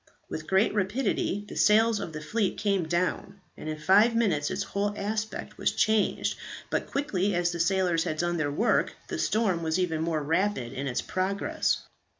With great rapidity the sails of the fleet came down, and in five minutes its whole aspect was changed; but quickly as the sailors had done their work, the storm was even more rapid in its progress.